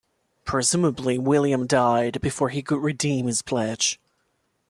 Presumably William died before he could redeem his pledge.